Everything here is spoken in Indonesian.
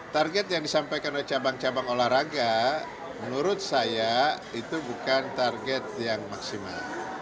target yang disampaikan oleh cabang cabang olahraga menurut saya itu bukan target yang maksimal